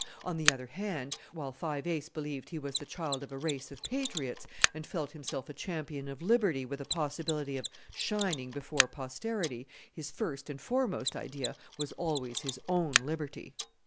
On the other hand, while Five Ace believed he was the child of a race of patriots and felt himself a champion of liberty with a possibility of shining before posterity, his first and foremost idea was always his own liberty!